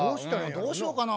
どうしようかな？